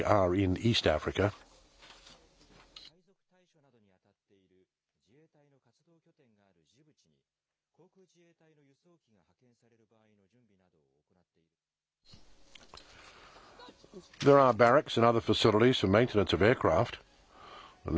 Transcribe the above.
具体的には、アフリカ沖で海賊対処などに当たっている自衛隊の活動拠点があるジブチに、航空自衛隊の輸送機が派遣される場合の準備などを行っているということです。